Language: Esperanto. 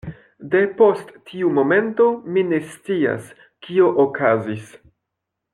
Depost tiu momento, mi ne scias, kio okazis.